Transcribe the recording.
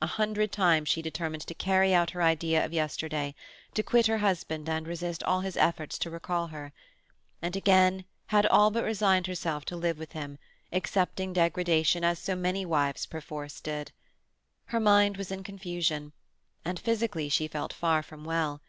A hundred times she determined to carry out her idea of yesterday—to quit her husband and resist all his efforts to recall her—and again had all but resigned herself to live with him, accepting degradation as so many wives perforce did. Her mind was in confusion, and physically she felt far from well.